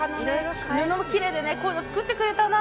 布できれいにこういうの作ってくれたな。